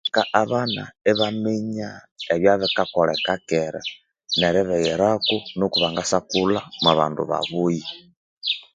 Kyikaleka abana ibaminya ebyabya bikakoleka kera neribighirako nuko bangasa kulha mwa bandu babuya.